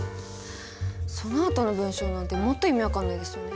そのあとの文章なんてもっと意味分かんないですよね。